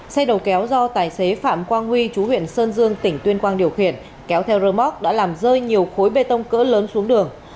xe đầu kéo do tài xế phạm quang huy chú huyện sơn dương tỉnh tuyên quang điều khiển kéo theo rơ móc đã làm rơi nhiều khối bê tông cỡ lớn xuống đường